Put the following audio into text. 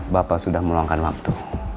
bapak sudah meluangkan waktu